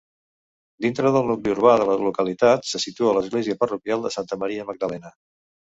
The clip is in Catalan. Dintre del nucli urbà de la localitat se situa l'església parroquial de Santa Maria Magdalena.